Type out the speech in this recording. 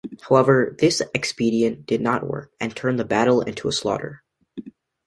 However, this expedient did not work, and turned the battle into a slaughter.